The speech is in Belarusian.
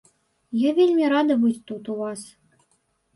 Я вельмі рада быць тут, у вас.